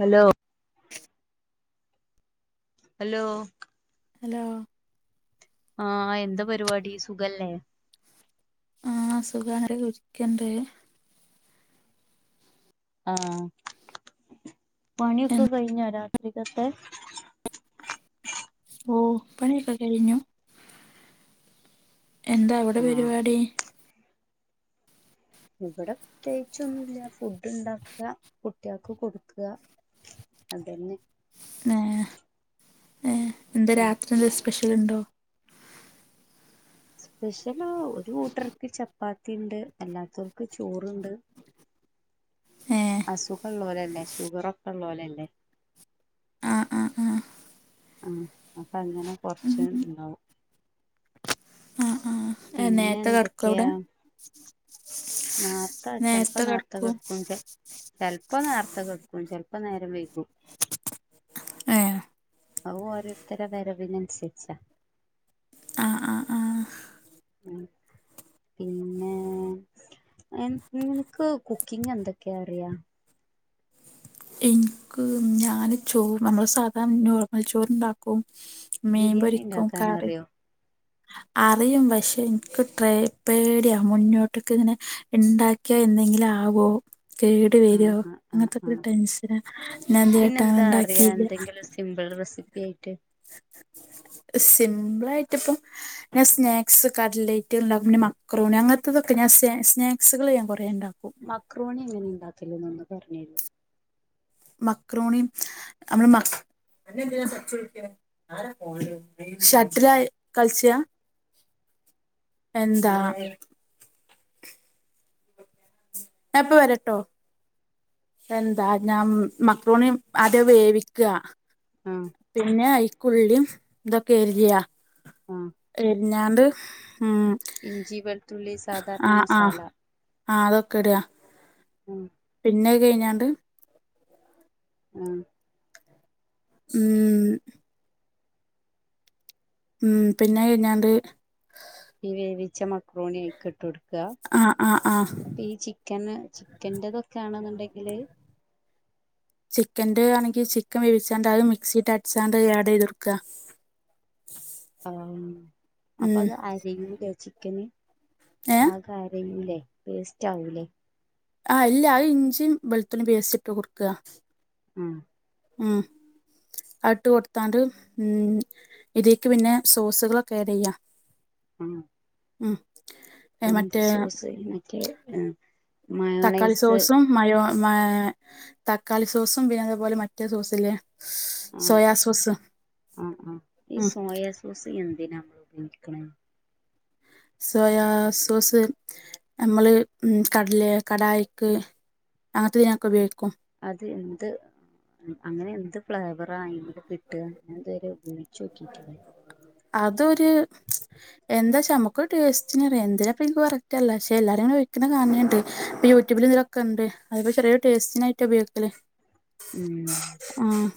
Hello [inaudible] hello hello ആഹ് എന്താ പരിവാടി സുഖല്ലേ ആഹ് സുഖാണ് [unintelligible] ഇര്ക്കണ്ട് ആഹ് പണിയൊക്കെ കഴിഞ്ഞോ രാത്രിക്കത്തെ ഓഹ് പണിയൊക്കെ കഴിഞ്ഞു എന്താ അവിടെ ആഹ് പരിവാടി ഇബടെ പ്രത്യേകിച്ചൊന്നുല്ലാ ഫുഡ് ഇണ്ടാക്കാ കുട്ടിൾക്ക് കൊടുക്കാ അതെന്നെ ഏഹ് എന്താ ഉം രാത്രി എന്തേ സ്പെഷ്യൽ ഇണ്ടോ സ്പെഷ്യല് ഒരു കൂട്ടർക്ക് ചപ്പാത്തിണ്ട് അല്ലാത്തവർക്ക് ചോറ്ണ്ട് ഏ അസുഖള്ളോലല്ലെ ഷുഗറൊക്കെ ഇള്ളോലല്ലേ ആഹ് ആഹ് ആഹ് ആഹ് അപ്പങ്ങനെ ഉം കൊർച്ച് ഉം ഇണ്ടാവും ആഹ് ആഹ് പിന്നെ നേരത്തെ കെടക്കോ എന്തെക്കെയാ അവിടെ നാർത്തെ നേരത്തെ ചെൽപ്പം നാർത്തെ കെടക്കും കെട്ക്കും ചെ ചെൽപ്പം നേർത്തെ കെട്ക്കും ചെൽപ്പം നേരം വൈകും ഏഹ് അവു ഓരോര്ത്തരെ വരവിനന്സരിച്ചാ ആഹ് ആഹ് ആഹ് ഉം പിന്നേ എൻ നിനക്ക് കുക്കിങ്ങ് എന്തക്കെയാ അറിയാ എൻക്ക് ഞാന് ചോ നമ്മളെ സാധാ നോർമൽ ചോറ്ണ്ടാക്കും ബിരിയാണി മീൻപൊരിക്കും ഇണ്ടാക്കാൻ കറി അറിയോ അറിയും പക്ഷെ ഇൻക്ക് ട്രേ പേടിയാ മുന്നോട്ട്ക്ക് ഇങ്ങനെ ഇണ്ടാക്കിയാ എന്തെങ്കിലും ആവോ കേട് വരോ ആഹ് ആഹ് ആഹ് അങ്ങൻത്തെക്കൊരു ആഹ് ടെൻഷനാ, ഞാൻ തരേയ്ട്ട് അങ്ങനണ്ടാക്കീല്യ വേറെ റെസിപ്പി ആയിട്ട് സിമ്പ്ളായിട്ട് ഇപ്പം ഞാൻ സ്നാക്സ് കട്ലേറ്റ് ണ്ടാക്കും പിന്നെ മക്രോണി അങ്ങൻത്തതൊക്കെ ഞാൻ സ് സ്നാക്സുകൾ ഞാൻ കൊറേ ഇണ്ടാക്കും മക്രോണി എങ്ങനെ ണ്ടാക്കല് ന്നൊന്ന് പര് ഞ്ഞെരോ മക്രോണിം അമ്മള് മ ഷട്ട്ലാ കൾച്ചാ എന്താ ഞാപ്പ വരട്ടോ എന്താ ഞാ മക്രോണി ആദ്യം വേവിക്ക ആഹ് പിന്നെ അയ്ക്കുള്ളിം തൊക്കെ എര്യാ ആഹ് ഞ്ഞാണ്ട് ഉം ഇഞ്ചി വെൾത്തുള്ളി സാധാരണ ആഹ് ആഹ് മസാല ആഹ് അതൊക്കെടാ ഉം പിന്നഹ് കയ്ഞ്ഞാണ്ട് ഉം ഉം ഉം പിന്നഹ് കയ്ഞ്ഞാണ്ട് ഈ വേവിച്ച മക്രോണി അയ്ക്ക് ട്ടൊട്ക്ക ആഹ് ആഹ് ആഹ് അപ്പൊ ഈ ചി ചിക്കന് ചിക്കൻ്റെതൊക്കേണ്ന്നുണ്ടെങ്കില് ചിക്കന്റെ ആണെങ്കി ചിക്കൻ വേവിച്ചാണ്ട് അഹ് മിക്സിട്ടട്ച്ചാണ്ട് അഹ് ഏടെയ്തൊട്ക്ക അം ഉം അപ്പത് അരയൂലേ ചിക്കന് ഏഹ് ആകരയൂലേ പേസ്റ്റാവൂലേ ആഹ് ഇല്ലാ അഹ് ഇഞ്ചിയും വെളുത്തുള്ളിം പേസ്റ്റിട്ട് കൊടുക്ക ഉം ഉം ആ ട്ട് കൊടുത്താണ്ട് ഉം ഇതീക്ക് പിന്നെ സോസുകളൊക്കെ ആഡ് ചെയ്യാ ഉം ഉം എന്ത് മറ്റേ സോസ ഈ മറ്റേ ആ തക്കാളി സോസും മയോ മേ തക്കാളി സോസും പിന്നതേപോലെ മറ്റേ സോസ് ല്ലേ ആഹ് സോയാ ആ ആ ഈ ഉം സോയാസോസ് എന്തിനാ നമ്മൾ ഉപയോഗിക്ക്ണേ സോയാ സോസ് നമ്മള് കട്ലെ കടായിക്ക് അങ്ങത്തെ തിനൊക്കെ ഉപയോഗിക്കും അത് എന്ത് അങ്ങനെ എന്ത് ഫ്ലേവറാ അയിന് കിട്ട, ഞാൻ ഇതുവരെ ഉപയോഗിച്ചോക്കിട്ടില്ല അതൊര് എന്താച്ചാ നമുക്കൊര് ടേസ്റ്റ്നറിയാ, എന്തിനാപ്പ ഇനിക്കും കറക്റ്ററില്ല, പക്ഷെ എല്ലാരുംങ്ങനെ ഒഴിക്ക്ന്ന കാണണ്ട് ഇപ്പ യൂ ട്യുബില് ഇതിലൊക്കെണ്ട് അത് പ്പൊ ചെറിയൊരു ടേസ്റ്റിനായിട്ട ഉപയോഗിക്കല് ഉം ആഹ്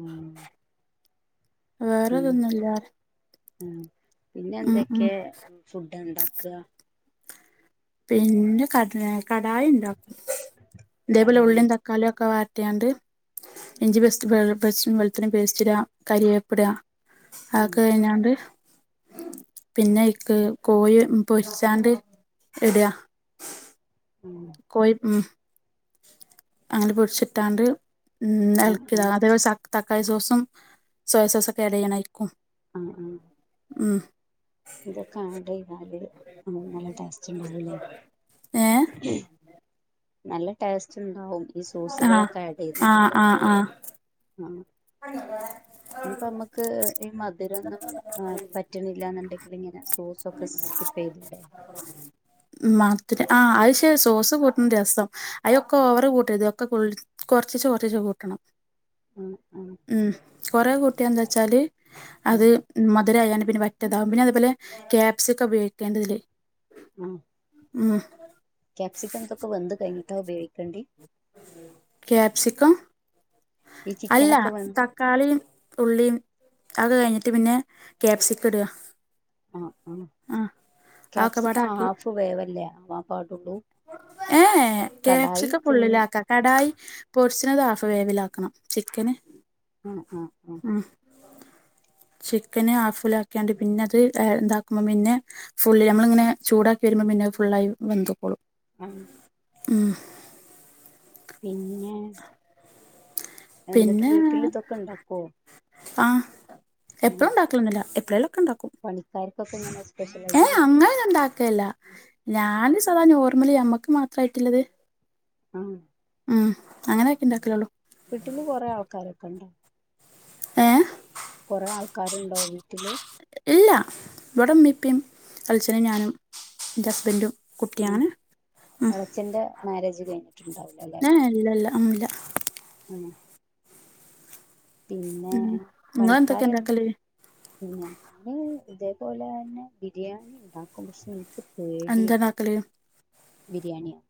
ഉം പിന്നെ വേറെതൊന്നുല്ലാറ്യ ഉം ഉം പിന്നെന്തൊക്കേ ഫുഡ്ഡ്ണ്ടാക്ക പിന്നെ കട്ലെ കടായിണ്ടാക്കും തേപോലെ കടായി ഉള്ളിം തക് ക്കാളിയൊക്കെ വാട്ടിയാണ്ട് ഇഞ്ചിപേസ്റ്റ്, വെള്ള പേസ്റ്റ് വെളുത്തുള്ളി പേസ്റ്റ് ഇട് കറിവേപ്പ് ഇട്. ഉം അതൊക്കെ കഴിഞ്ഞാണ്ട് പിന്നെ അയിക്ക് കോഴി പൊരിച്ചാണ്ട് ഇട്. ഉം കോഴി, ഉം അങ്ങനെ പൊരിച്ചിട്ടാണ്ട് ഉം ആഹ് എളക്കിട് ആഹ് അതേപോലെ ചത് തക്കാളി സോസും സോയാസോസും ഒക്കെ ആഡ് ചെയ്യണം അയിക്കും. ആഹ്, ആഹ് ഉം ഇതൊക്കെ ആഡ് ചെയ്താല് നമ്മൾക്ക് നല്ല ടേസ്റ്റ് ഇണ്ടാവൂലേ. ഏ നല്ല ടേസ്റ്റ് ഇണ്ടാവും ഈ സോസുകളൊക്കെ ആഡ് ചെയ്താല് ലേ ആഹ് ആഹ്, ഇഞ്ഞിപ്പോ നമ്മക്ക് ഈ മധരൊന്നും ആഹ്, പറ്റ്ണില്ല എന്നുണ്ടെങ്കിൽ ഇങ്ങനെ സോസൊക്കെ സ്കിപ്പ് ചെയ്തൂടെ? മധുര ആഹ്, അഹ് ശരി സോസ് കൂട്ട്ണ രസം. അയിലൊക്കെ ഓവറ് കൂട്ടര്ത് ഒക്കെ കൊറച്ചീച്ചെ, കൊറച്ചീച്ചെ കൂട്ടണം. ഉം ഉം, കൊറേ കൂട്ടി എന്താച്ചാല് ആ അത് മധുരായാണ്ട് പിന്നെ പറ്റ താവും, പിന്നെ അതുപോലെ ക്യാപ്സിക്കം ഉപയോഗിക്കേണ ഇതില്. ഉം ഉം ക്യാപ്സിക്കം ഇതൊക്കെ വെന്ത്‌ കഴിഞ്ഞിട്ടാ ഉപയോഗിക്കേണ്ടി? ക്യാപ്സിക്കം ഈ അല്ല ചിക്കനൊക്കെ വെന്ത് തക്കാളീം, ഉള്ളീം, അത് കഴിഞ്ഞിട്ട് പിന്നെ ക്യാപ്സിക്കം ഇട്. ആഹ് ആഹ് അതൊക്കെപാടെ ക്യാപ്സിക്ക ആക്കി ഹാഫ് വേവല്ലേ ആവാൻ പാടുള്ളൂ. ഏഹ്, ഏഹ് കടായി കാപ്സിക്ക തിന്ന് ഫുള്ളിലാക്ക. കടായി പൊരിച്ചിണത് ഹാഫ് വേവിലാക്കണം ചിക്കന്. ആഹ്, ആഹ്, ആഹ്. ചിക്കന് ഹാഫിലാക്കിയാണ്ട് പിന്നെ അത് ഏഹ് എന്താക്കുമ്പോ പിന്നെ ഫുള്ള് നമ്മളിങ്ങനെ ചൂടാക്കി വരുമ്പോം പിന്നെ ഫുള്ളായി വെന്ത്‌ക്കോളും. ആഹ് ഉം പിന്നെ എന്നിട്ട് വീട്ടിൽ ഇതൊക്കെ ഇണ്ടാക്കോ? ആഹ്, എപ്പളും ഇണ്ടാക്കലൊന്നില്ല എപ്പോളേലോക്കെ ഇണ്ടാക്കും. പണിക്കാര്കോക്കക്കെങ്ങനെ സ്‌പെഷലായിട്ട് വെ ക്ക് അല്ല ഞാന് സാധാ നോർമലി നമ്മക്ക് മാത്രമായിട്ടിള്ളത് ആഹ്. ആഹ്, അങ്ങനെയൊക്കെ ഇണ്ടാക്കലൊള്ളു. വീട്ടില് കുറെ ആൾക്കാരൊക്ക ഇണ്ടോ? ഏ കൊറേ ആൾക്കാരുണ്ടോ വീട്ടില്? ഇല്ല, ഇവിടെ ഇമ്മി, ഇപ്പി എളിച്ചനും ഞാനും ഇന്റെ ഹസ്ബന്റും. ആഹ്, എളച്ചന്റെ മാരേജ് കഴിഞ്ഞിട്ടുണ്ടാവൂലാല്ലെ? ഇല്ലല്ല, ആഹ് ഇല്ല. [unintelligible] പിന്നെ ഉം നിങ്ങളെന്തൊക്കെ പണിക്കാര്ൺ ഇണ്ടാക്കല് ഞാന് ഇതേപോലെ തന്നെ ബിരിയാണി ഇണ്ടാക്കും പക്ഷെ ഇനിക്ക് എന്താ തേടിരുന്നു ഇണ്ടാക്കല് ബിരിയാണിയോ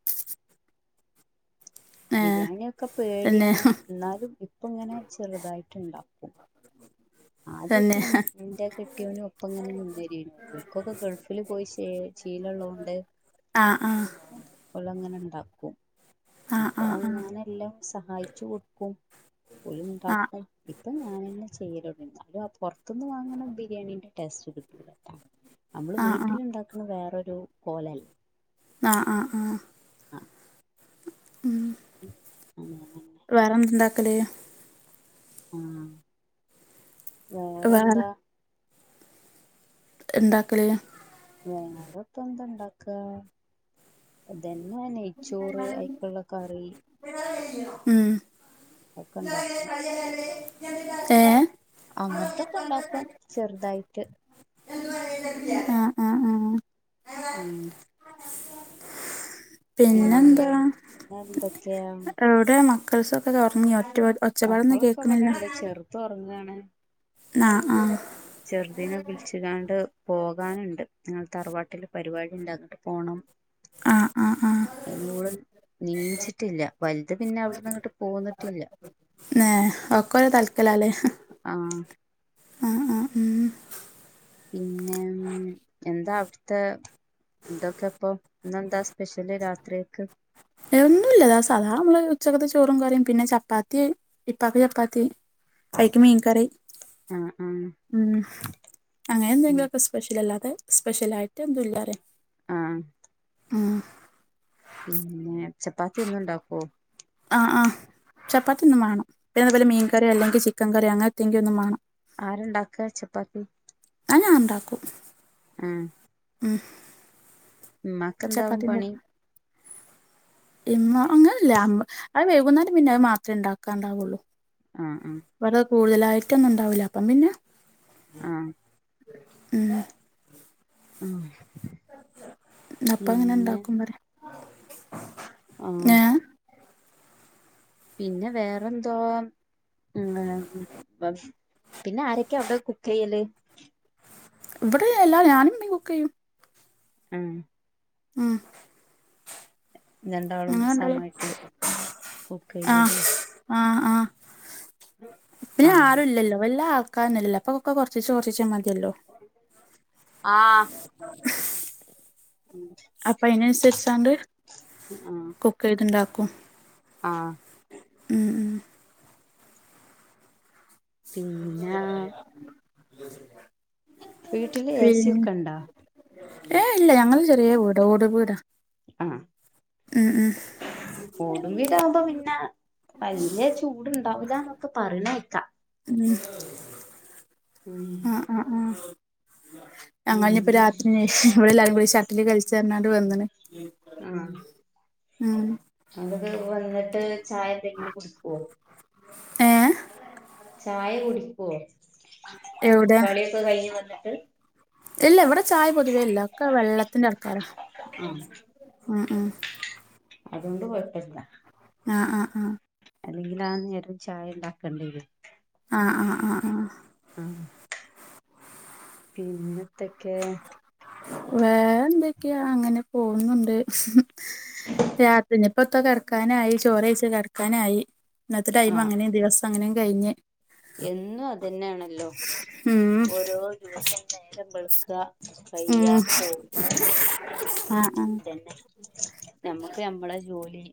ഏ ബിരിയാണ ഒക്കെ തന്നെ പേടിയാണ് ഇന്നാലും ഇപ്പ ഇങ്ങനെ ചെറുതായിട്ട് ഇണ്ടാക്കും തന്നെ അതൊക്കെങ്ങനെഇന്റെ കെട്ടിയോനും ഒപ്പ ഇങ്ങനെ നിന്നരുനു ഒൽക്കൊക്കെ ഗൾഫിൽ പോയി ഷേ ചീല ഉള്ളത് കൊണ്ട് ആഹ് ആഹ് ഓളങ്ങനെ ഇണ്ടാക്കും ആ അപ്പ അപ്പൊ ആ ആ ഞാൻ എല്ലാം സഹായിച്ചു കൊടുക്കും ഓല് ആ ആ ഇണ്ടാക്കും ഇപ്പൊ ഞാനന്നെ ചെയ്യൽ എന്നാലും പുറത്തുനിന്ന് വാങ്ങണ ബിരിയാണിന്റെ ടേസ്റ്റ് കിട്ടൂലട്ടാ നമ്മള് വീട്ടിൽണ്ടാക്ക [unintelligible] വേറോരു കോല ആഹ് ആഹ് ആഹ് ആഹ് ഉം [unintelligible] അങ്ങനെന്നെ വേറെ എന്തുണ്ടാക്കല്? ആഹ്! വേറെ വേറെന്താ ഉണ്ടാക്കല് വേറെ ഇപ്പ എന്ത ഇണ്ടാക്ക ഇതെന്നെയ ചോറ് അയിക്കുള്ള കറി ഉം ഒക്കെ ഇണ്ടാക്കും [unintelligible] ഏഹ് അങ്ങനത്തൊക്കെ ഉണ്ടാക്കും ചെറുതായിട്ട് ആഹ്! ആഹ്! ആഹ്! ആഹ് പിന്നെന്താ പിന്നെ എന്തൊക്കെയാ ഇവിടെ മക്കൾസൊക്കെ ഉറങ്ങി ഒറ്റ- ഒച്ചയും ബഹളവും കേൾക്കണില്ല ഉറങ്ങണ് ആഹ്! ആഹ്! ചെറുതിനെ വിളിച്ചുകാണ്ട് പോകാനുണ്ട് നിങ്ങ തറവാട്ടില് പരിപാടി ഉണ്ടാക്കട്ട് പോണം ആ ആ ആ [unintelligible] നീച്ചിട്ടില്ല വലുത് പിന്നെ അവിടന്ന് ഇങ്ങോട്ട് പോന്നിട്ടില്ല ഏഹ് ഒക്കല താൽക്കലല്ലേ ആഹ്! ഉം. പിന്നെ ഉം.. എന്താ അവിടുത്തെ ഇതൊക്കെ ഇപ്പൊ ഇന്ന എന്താ സ്പെഷ്യല് രാത്രിയൊക്ക് ഒന്നുമല്ലാ സാദാ നമ്മള് ഉച്ചകത്തെ ചോറും കറിയും പിന്നെ ചപ്പാത്തി ഇപ്പാക്കക്ക് ചപ്പാത്തി കൈക്ക് മീൻകറി ആഹ് ആഹ് ഉം.. അങ്ങനെ ഉം എന്തെങ്കിലൊക്കെ സ്പെഷ്യൽ അല്ലാതെ സ്പെഷ്യൽ ആയിട്ട് എന്തും ഇല്ലാറ ആഹ്! ഉം... പിന്നെ ചപ്പാത്തി ഒന്നും ഉണ്ടാക്കോ? ആഹ്! ആഹ്! ചപ്പാത്തി എന്നും വേണം പിന്നെ അതുപോലെ മീൻ കറി അല്ലെങ്കിൽ ചിക്കൻ കറി അങ്ങനത്തെങ്കിലും ഒന്നും വേണം ആരുണ്ടാക്കുക ചപ്പാത്തി? അത് ഞാൻ ഉണ്ടാക്കും ഉം. ഉം, ഹ് മ്മ, ക് എന്താവും പണി. ഇന്ന് അങ്ങനല്ല. അത് വൈകുന്നരം പിന്നെ അത് മാത്രമേ ഉണ്ടാക്കാണ്ടാവുള്ളൂ. ആഹ്, ആഹ് വെറ കൂടുതലായിട്ടൊന്നും ഉണ്ടാവൂല്ല. അപ്പം പിന്നെ ആഹ് ഉം... ഉം. അപ്പ അങ്ങനെ ഉണ്ടാക്കും പറയാ ആഹ്! ഏ പിന്നെ വേറെന്ത ഇങ്ങനെ പിന്നെ ആരൊക്കെ അവിടെ കുക്ക് ചെയ്യല് ഇവിടെ എല്ല ഞാനും അമ്മയും കുക്ക് ചെയ്യും ആഹ് ഉം... രണ്ടാളും ഞങ്ങൾ രണ്ടാളും സമായിട്ട് കുക്ക് ചെയ്യൂലേ ആഹ്! ആഹ്! പിന്നെ ആഹ് ആരുല്ല ല്ലോ? വല്ലാ- കാരല്ല അപ്പൊക്ക കുറച്ച് കുറച്ച മതിയല്ലോ? ആഹ്! [unintelligible] അപ്പൊ, അതിനനുസരിച്ചണ്ട് ആഹ് കുക്ക് ചെയ്തുണ്ടാക്കും. ആഹ്! ഉം ഉം പിന്നെ [unintelligible] വീട്ടില് എ സി പിന്നെ യൊക്കെ ഉണ്ട. ഏ ഇല്ല. ഞങ്ങള ചെറിയ വീട, ഓട് വീടാ ആഹ് ഉം ഉം ഓട വീട ആവുമ്പോ, പിന്നെ വലിയ ചൂടുണ്ടാവില്ലന്നൊക്കെ പറയണ ക്കാം.. ഉം ഉം ആഹ്, ആഹ് ഞങ്ങൾ ഇനി ഇപ്പോൾ പിന്നെ രാത്രിന്. ഇവിടെ എല്ലാരും കൂടി ഷട്ടിൽ കളിച്ച പറഞ്ഞണ്ട് വന്നണ്. ആഹ് ഉം അ [unintelligible] വന്നിട്ട് ചായ എന്തെങ്കിലും കുടിക്കു വോ? ഏ ചായ കുടിക്കുവോ? എവിടെ കളിയൊക്കെ കഴിഞ് വന്നിട്ട്. ഇല്ല ഇവിടെ ചായ പൊതുവേ ഇല്ല. ഒക്കെ വെള്ളത്തിന്റെ ആൾക്കാ രാ ആഹ് ഉം ഉം അതു കൊണ്ട് കൊഴപ്പ ല്ലാ ആഹ് ആഹ് ആഹ് അല്ലെങ്കിൽ ആ നേരം ചായ ഉണ്ടാക്കേണ്ട രും ആഹ്, ആഹ്, ആഹ് ആഹ്, പിന്ന ത്തൊക്കെ വേറെ എന്തൊക്കെ യ അങ്ങനെ പോകുന്നുണ്ട് രാ ഇപ്പൊത്ത കിടക്കാനായി. ചോറ് കഴിച്ച് കിടക്കാനായി. ഇന്നത്തെ ടൈം ആഹ് അങ്ങനെയ ദിവസ അങ്ങനും കഴിഞ്ഞ്. എന്നും അതനെയാണല്ലോ ഉം ഓരോ ദിവസം നേരമ്പ ഉം ആഹ് [inaudible] ആഹ് അതന്നെ ഞമ്മക്ക് നമ്മള ജോലി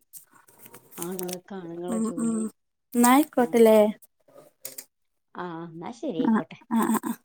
ആണുങ്ങൾക്ക് ആണുങ്ങളെ ഉം ഉം ജോലി ന്നാ ആഹ ആയിക്കോട്ടെല്ലേ ആഹ് എന്നാ ശരി ആഹ് ആയിക്കോട്ടെ ആഹ് ആഹ് ആഹ്